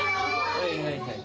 はいはいはい。